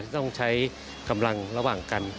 ต้องใช้กำลังระหว่างกัน